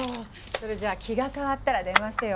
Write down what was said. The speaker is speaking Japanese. それじゃあ気が変わったら電話してよ。